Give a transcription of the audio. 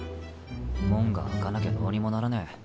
門が開かなきゃどうにもならねえ。